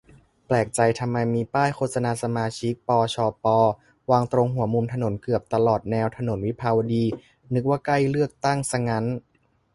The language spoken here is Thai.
แปลกใจทำไมมีป้ายโฆษณาสมาชิก ปชป วางตรงหัวมุมถนนเกือบตลอดแนวถนนวิภาวดี นึกว่าใกล้เลือกตั้งซะงั้น